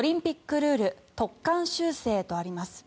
ルール突貫修正とあります。